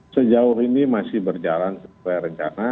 sejauh ini masih berjalan sesuai rencana